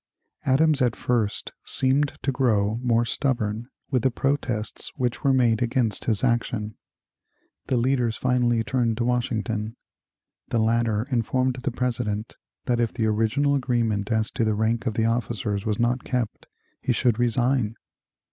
Adams at first seemed to grow more stubborn with the protests which were made against his action. The leaders finally turned to Washington. The latter informed the President that if the original agreement as to the rank of the officers was not kept, he should resign.